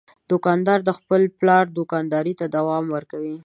دوکاندار د خپل پلار دوکانداري ته دوام ورکوي.